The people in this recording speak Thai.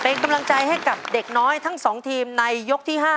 เป็นกำลังใจให้กับเด็กน้อยทั้ง๒ทีมในยกที่๕